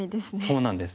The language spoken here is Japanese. そうなんです。